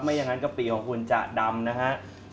ไม่อย่างนั้นกะปิของคุณจะดำนะครับ